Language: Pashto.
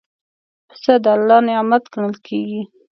پسه د الله نعمت ګڼل کېږي.